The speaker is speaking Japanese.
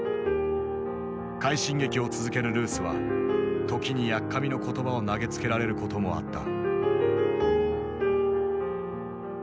快進撃を続けるルースは時にやっかみの言葉を投げつけられることもあった。